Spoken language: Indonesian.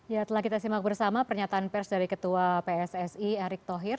ya telah kita simak bersama pernyataan pers dari ketua pssi erick thohir